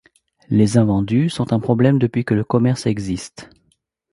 Les invendus sont un problème depuis que le commerce existe.